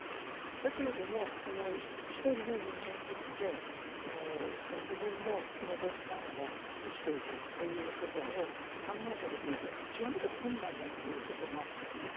だけれども一人の人間として自分も仕事をしながら生きていくっていうことを考えた時にそれは極めて困難だっていうことがいまだに続いている。